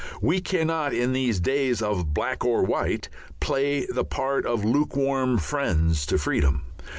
We cannot in these days of black or white play the part of lukewarm friends to freedom.